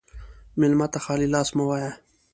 مېلمه ته خالي لاس مه وایه.